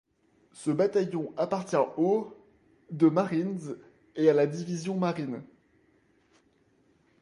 Ce bataillon appartient au de Marines et à la Division marine.